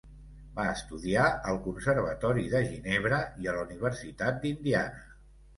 Va estudiar al Conservatori de Ginebra i a la Universitat d'Indiana.